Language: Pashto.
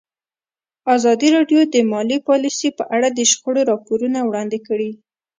ازادي راډیو د مالي پالیسي په اړه د شخړو راپورونه وړاندې کړي.